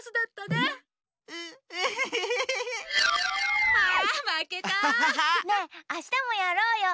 ねえあしたもやろうよ。